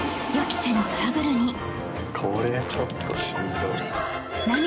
これちょっとしんどい。